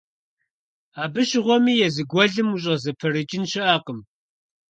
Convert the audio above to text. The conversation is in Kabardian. Абы щыгъуэми езы гуэлым ущӀызэпрыкӀын щыӀэкъым.